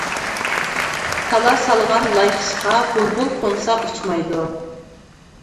كالا سالغان لاي خىشقا، بۇلبۇل قونسا ئۇچمايدۇ.